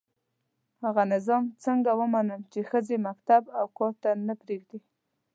هغه نظام څنګه ومنم چي ښځي مکتب او کار ته نه پزېږدي